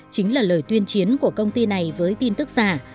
chính là lời tuyên chiến của công ty này với tin tức giả